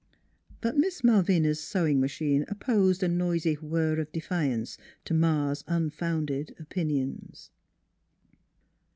But Miss Malvina's sewing machine opposed a noisy whir of defiance to Ma's unfounded opinions.